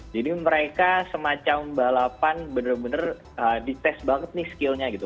jadi mereka semacam balapan benar benar dites banget nih skill nya gitu